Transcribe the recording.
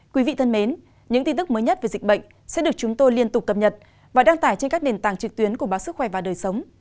quý vị thân mến những tin tức mới nhất về dịch bệnh sẽ được chúng tôi liên tục cập nhật và đăng tải trên các nền tảng trực tuyến của báo sức khỏe và đời sống